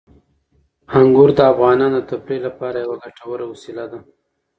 انګور د افغانانو د تفریح لپاره یوه ګټوره وسیله ده.